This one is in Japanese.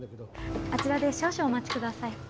あちらで少々お待ちください。